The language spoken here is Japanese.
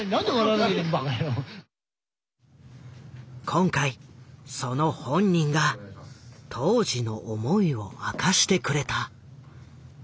今回その本人が当時の思いを明かしてくれた。